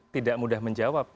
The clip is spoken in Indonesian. tidak mudah menjawab